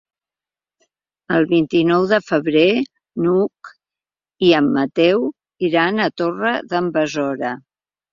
El vint-i-nou de febrer n'Hug i en Mateu iran a la Torre d'en Besora.